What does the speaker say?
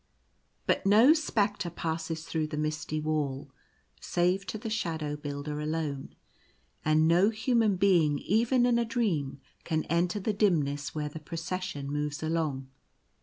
But no spectre passes through the misty wall, save to the Shadow Builder alone; and no human being — even in a dream — can enter the dimness where the Procession moves along.